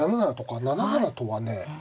７七とはね